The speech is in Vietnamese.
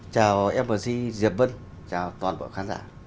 chào mc diệp vân chào toàn bộ khán giả